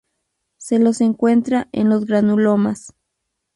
Se los encuentra en los granulomas.